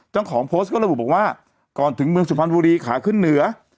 เจ้าของโพสต์ก็ระบุบอกว่าก่อนถึงเมืองสุพรรณบุรีขาขึ้นเหนือ